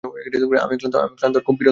আমি ক্লান্ত আর খুব বিরক্ত।